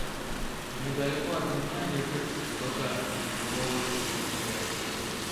Недалеко от меня лежит кто-то голой спиной кверху.